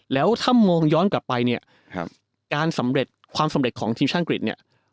แล้วถ้ามองย้อนกลับไปเนี่ยการสำเร็จความสำเร็จของทีมชาติอังกฤษเนี่ย